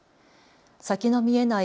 先の見えない